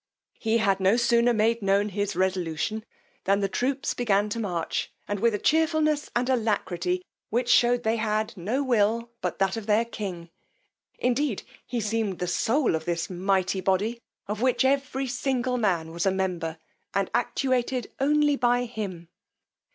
He had no sooner made known his resolution, than the troops began to march, and with a chearfulness and alacrity, which shewed they had no will but that of their king: indeed he seemed the soul of this mighty body, of which every single man was a member, and actuated only by him.